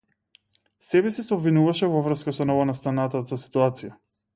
Себеси се обвинуваше во врска со новонастанатата ситуација.